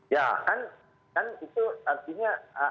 ya kan itu artinya